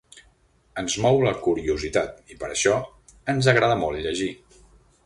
Ens mou la curiositat i per això ens agrada molt llegir.